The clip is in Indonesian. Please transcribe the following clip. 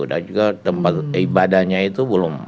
dan juga tempat ibadahnya itu belum